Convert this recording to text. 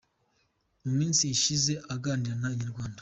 Mu minsi ishize aganira na Inyarwanda.